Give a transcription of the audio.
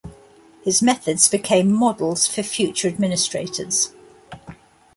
His methods became models for future administrators.